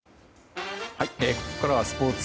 ここからはスポーツ。